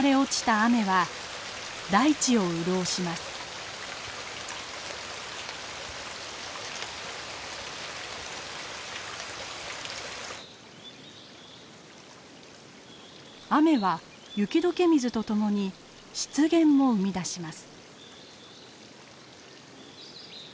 雨は雪解け水と共に湿原も生み出します。